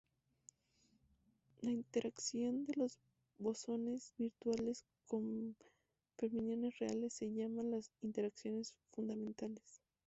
La interacción de los bosones virtuales con fermiones reales se llaman las interacciones fundamentales.